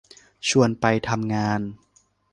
ชวนไปงาน